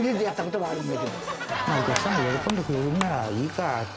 お客さんが喜んでくれるならいいかって。